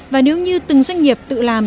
và nếu như từng doanh nghiệp tự làm